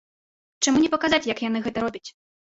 Чаму не паказаць, як яны гэта робяць?